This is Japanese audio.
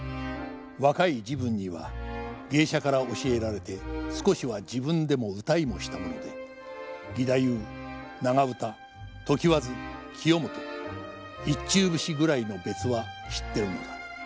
若い時分には芸者から教えられて少しは自分でも唄いもしたもので義太夫・長唄・常磐津清元・一中節ぐらいの別は知っているのだ。